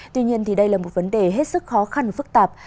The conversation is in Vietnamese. tuy nhiên đây là một vấn đề hết sức khó khăn và phức tạp